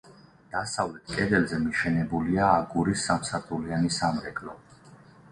დასავლეთ კედელზე მიშენებულია აგურის სამსართულიანი სამრეკლო.